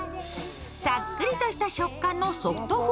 さっくりとした食感のソフト